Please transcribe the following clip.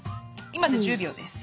今で１０秒です。